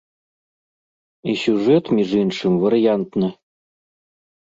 І сюжэт, між іншым, варыянтны.